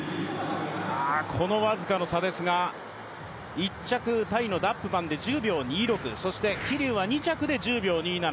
この僅かな差ですが１着、タイのダップバンで１０秒２６、そして桐生は２着で１０秒２７。